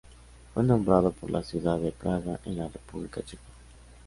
Fue nombrado por la ciudad de Praga en la República Checa.